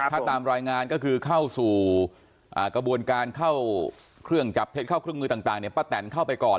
ถ้าตามรายงานก็คือเข้าสู่กระบวนการเข้าเครื่องจับเท็จเข้าเครื่องมือต่างเนี่ยป้าแตนเข้าไปก่อน